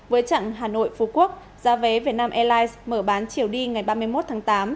với trạng hà nội phú quốc giá vé vietnam airlines mở bán chiều đi ngày ba mươi một tháng tám